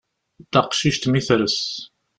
Taqcict mi tres.